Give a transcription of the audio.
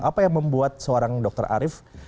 apa yang membuat seorang dokter arief